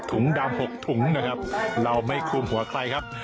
ถุงดำ๖ถุงนะครับเราไม่คลุมหัวใครครับ